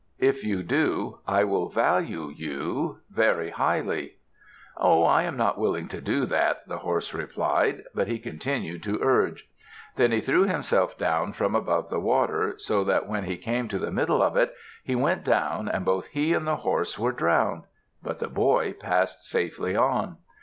If you do, I will value you very highly." "Oh, I am not willing to do that," the horse replied. But he continued to urge. Then he threw himself down from above the water, so that when he came to the middle of it, he went down and both he and the horse were drowned. But the boy passed safely on.